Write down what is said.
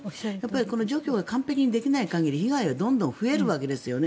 この除去が完璧にできない限り被害がどんどん増えるわけですよね。